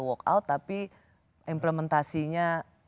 walk out tapi implementasinya